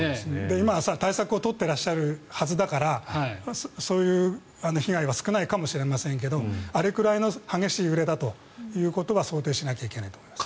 今、対策を取ってらっしゃるはずだからそういう被害は少ないかもしれませんけどあれくらいの激しい揺れだということは想定しなきゃいけないと思います。